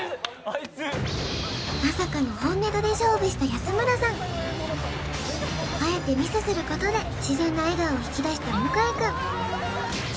あいつした安村さんあえてミスすることで自然な笑顔を引き出した向井くん